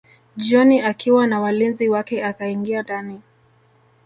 Jioni akiwa na walinzi wake akaingia ndani